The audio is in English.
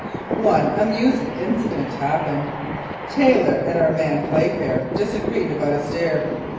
One amusing incident happened. Taylor and our man, Playfair, disagreed about a steer.